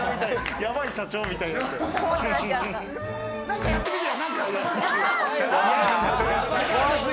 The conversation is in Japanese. やばい、社長みたいになってる。